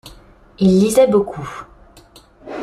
Il lisait beaucoup.